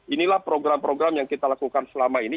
inilah program program yang kita lakukan selama ini